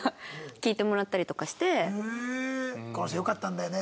「この人良かったんだよね。